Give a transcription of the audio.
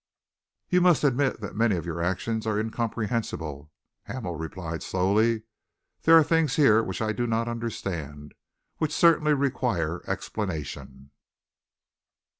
"You must admit that many of your actions are incomprehensible," Hamel replied slowly. "There are things here which I do not understand which certainly require explanation."